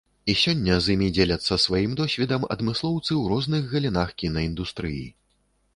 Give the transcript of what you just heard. І сёння з імі дзеляцца сваім досведам адмыслоўцы ў розных галінах кінаіндустрыі.